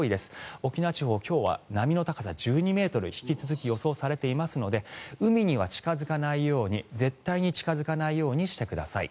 沖縄地方、今日は波の高さ１２ｍ引き続き予想されていますので海には近付かないように絶対に近付かないようにしてください。